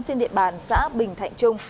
trên địa bàn xã bình thạnh trung